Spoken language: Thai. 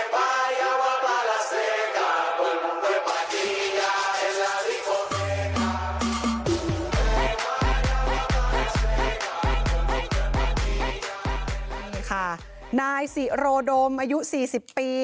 นี่ค่ะนายสิโรดมอายุ๔๐ปี